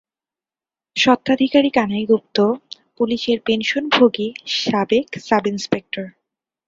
স্বত্বাধিকারী কানাই গুপ্ত, পুলিসের পেনশনভোগী সাবেক সাব-ইনস্পেক্টর।